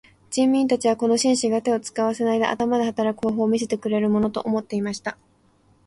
人民たちはこの紳士が手を使わないで頭で働く方法を見せてくれるものと思っていました。